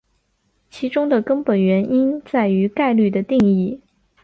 其中的根本原因在于概率的定义。